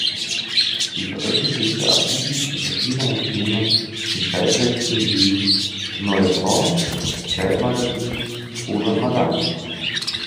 Sie veröffentlichte Artikel zu verschiedenen Themen in Zeitschriften wie "neue frau", "Zeit-Magazin" oder "Madame".